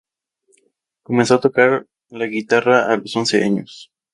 Empezó a tocar la guitarra a los once años.